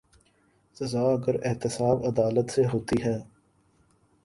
سزا اگر احتساب عدالت سے ہوتی ہے۔